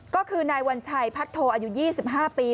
ก็คือนายวัญชัยพัทโทอายุ๒๕ปี